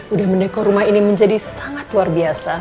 udah mendekor rumah ini menjadi sangat luar biasa